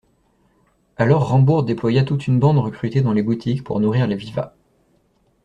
Alors Rambourg déploya toute une bande recrutée dans les boutiques pour nourrir les vivats.